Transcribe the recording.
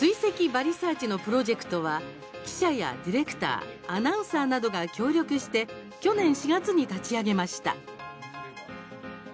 バリサーチ」のプロジェクトは記者やディレクターアナウンサーなどが協力して去年４月に立ち上げました。